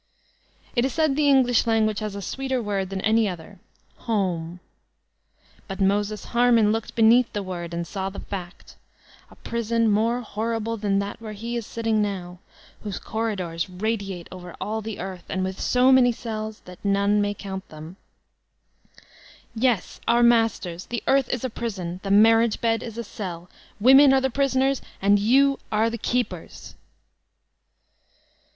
It is said the English language has a sweeter word than any other, — home. But Moses Har* man looked beneath the word and saw the fact,— a prison more horrible than that where he is sitting now, whose corridors radiate over all the earth, and with so many cells, that none may count thent Yes, our Masters! The earth is a prison, the mar* riage bed is a cell, women are the prisoners, and you are the keepers!